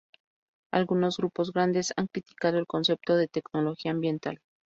Algunos grupos grandes han criticado el concepto de tecnología ambiental.